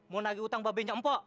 mau nagih utang babenya mpok